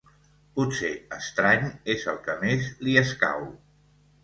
Potser estrany és el que més li escau.